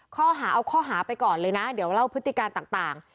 ข้อหาเอาข้อหาไปก่อนเลยนะเดี๋ยวเล่าพฤติการต่าง